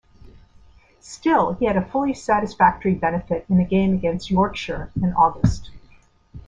Still, he had a fully satisfactory benefit in the game against Yorkshire in August.